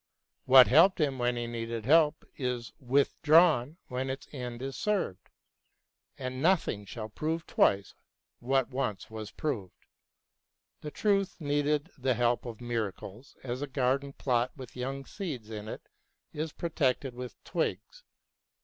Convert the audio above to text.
What helped him when he needed help is withdrawn when its end is served, and nothing shall prove twice what once was proved. The truth needed the help of miracles, as a garden plot with young seeds in it is protected with twigs.